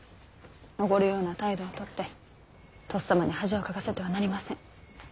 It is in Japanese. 驕るような態度をとってとっさまに恥をかかせてはなりません。